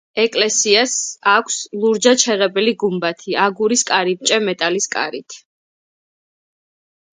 ეკლესიას აქვს ლურჯად შეღებილი გუმბათი, აგურის კარიბჭე მეტალის კარით.